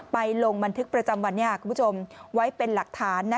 ลงบันทึกประจำวันนี้คุณผู้ชมไว้เป็นหลักฐาน